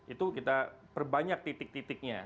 itu kita perbanyak titik titiknya